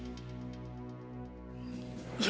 yaudahlah kalau gitu aku pulang dulu ya pak